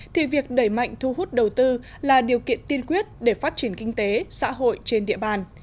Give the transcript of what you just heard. thì việc đẩy mạnh thu hút đầu tư là điều kiện tiên quyết để phát triển kinh tế xã hội trên địa bàn